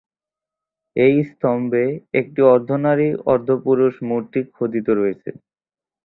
এই স্তম্ভে একটি অর্ধনারী-অর্ধপুরুষ মূর্তি খোদিত রয়েছে।